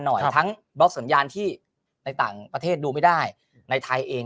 หน่อยทั้งบล็อกสัญญาณที่ในต่างประเทศดูไม่ได้ในไทยเอง